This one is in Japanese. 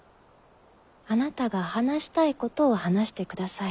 あなたが話したいことを話してください。